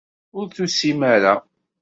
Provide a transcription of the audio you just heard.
Ur tusim ara.